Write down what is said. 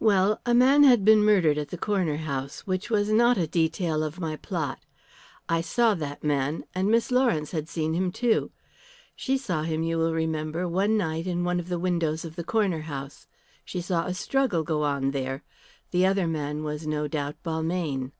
"Well, a man had been murdered at the Corner House which was not a detail of my plot. I saw that man, and Miss Lawrence had seen him, too. She saw him, you will remember, one night in one of the windows of the Corner House. She saw a struggle go on there. The other man was no doubt Balmayne."